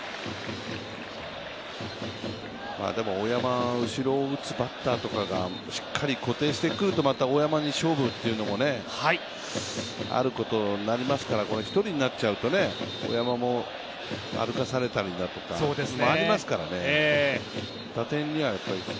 大山、後ろを打つバッターがしっかり固定してくるとまた大山に勝負というのもあることになりますから、１人になっちゃうと、大山も歩かされたりだとかも山ちゃん！お○□※さん！